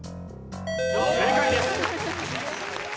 正解です。